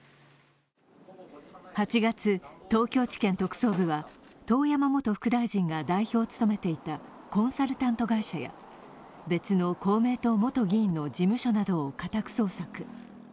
８月、東京地検特捜部は遠山元副大臣が代表を務めていたコンサルタント会社や別の公明党元議員の事務所などを家宅捜索。